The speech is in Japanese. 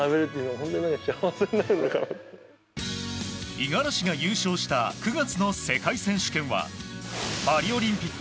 五十嵐が優勝した９月の世界選手権はパリオリンピック